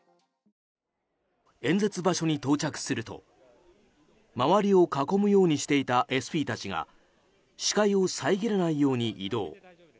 演説場所に到着すると周りを囲むようにしていたＳＰたちが視界を遮らないように移動。